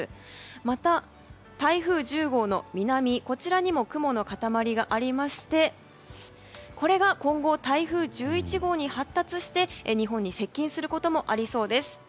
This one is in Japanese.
また、台風１０号の南にも雲の塊がありましてこれが今後、台風１１号に発達して日本に接近することもありそうです。